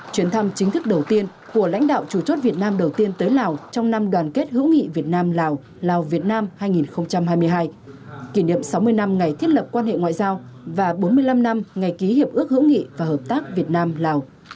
chuyến thăm chính thức đầu tiên của lãnh đạo chủ chốt việt nam đầu tiên tới lào trong năm đoàn kết hữu nghị việt nam lào lào việt nam hai nghìn hai mươi hai kỷ niệm sáu mươi năm ngày thiết lập quan hệ ngoại giao và bốn mươi năm năm ngày ký hiệp ước hữu nghị và hợp tác việt nam lào